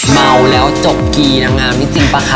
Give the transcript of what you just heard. เมาแล้วจบกีนางงามนี่จริงป่ะคะ